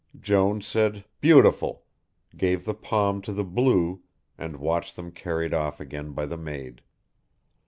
Jones said "beautiful," gave the palm to the blue, and watched them carried off again by the maid.